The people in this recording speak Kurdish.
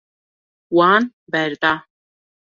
Wan berda.